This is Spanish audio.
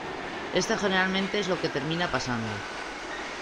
Esto generalmente es lo que termina pasando.